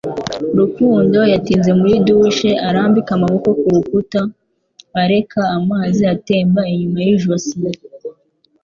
Rukundo yatinze muri douche; arambika amaboko ku rukuta, areka amazi atemba inyuma y'ijosi